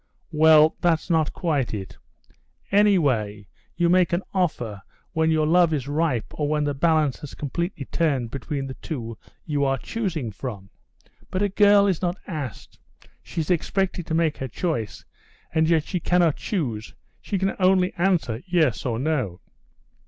"Well, that's not quite it." "Anyway you make an offer, when your love is ripe or when the balance has completely turned between the two you are choosing from. But a girl is not asked. She is expected to make her choice, and yet she cannot choose, she can only answer 'yes' or 'no.